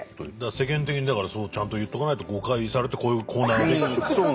世間的にだからそこをちゃんと言っとかないと誤解されてこういうコーナーが出来てしまう。